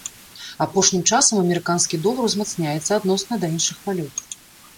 Апошнім часам амерыканскі долар узмацняецца адносна да іншых валют.